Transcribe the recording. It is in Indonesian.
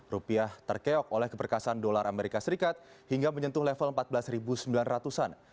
rupiah terkeok oleh keberkasan dolar amerika serikat hingga menyentuh level empat belas sembilan ratus an